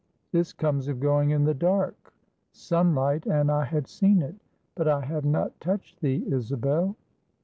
this comes of going in the dark; sunlight, and I had seen it. But I have not touched thee, Isabel?"